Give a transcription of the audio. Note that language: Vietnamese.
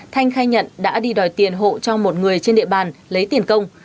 thanh khai nhận đã đi đòi tiền hộ cho một người trên địa bàn lấy tiền công